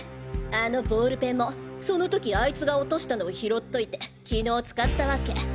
あのボールペンもその時あいつが落としたのを拾っといて昨日使ったワケ。